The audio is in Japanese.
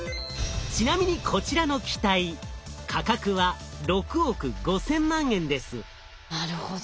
ちなみにこちらの機体なるほど。